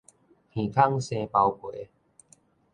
耳空生包皮